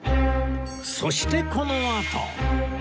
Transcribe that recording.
そしてこのあと